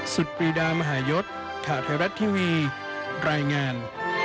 สุดปรีดามหายศข่าวไทยรัฐทีวีรายงาน